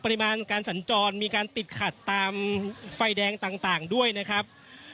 ปริมาณการสัญจรมีการติดขัดตามไฟแดงต่างด้วยนะครับ